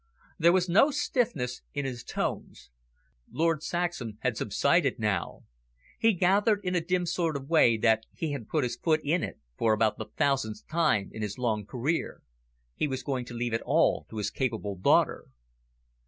There was no stiffness in his tones. Lord Saxham had subsided now. He gathered, in a dim sort of way, that he had put his foot in it, for about the thousandth time in his long career. He was going to leave it all to his capable daughter.